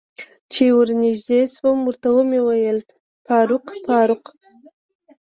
چې ور نږدې شوم ورته مې وویل: فاروق، فاروق.